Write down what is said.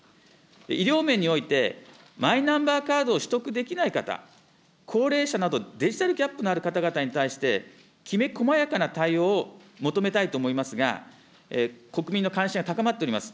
医療面において、マイナンバーカードを取得できない方、高齢者などデジタルギャップのある方々に対して、きめ細やかな対応を求めたいと思いますが、国民の関心は高まっております。